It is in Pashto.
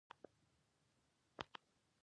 مزارشریف د افغانستان د کلتوري میراث برخه ده.